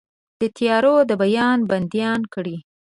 د تیارو دیبان بنديان کړئ